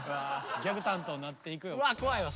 ギャグ担当なっていくよ。